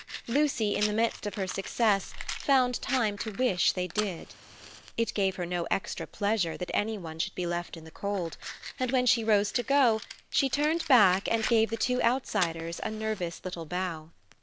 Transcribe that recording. Lucy, in the midst of her success, found time to wish they did. It gave her no extra pleasure that any one should be left in the cold; and when she rose to go, she turned back and gave the two outsiders a nervous little bow.